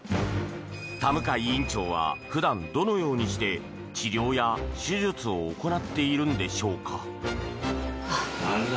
田向院長は普段、どのようにして治療や手術を行っているのでしょうか？